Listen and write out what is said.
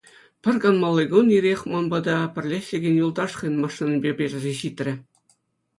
Пӗр канмалли кун ирех ман пата пӗрле ӗҫлекен юлташ хӑйӗн машинипе персе ҫитрӗ.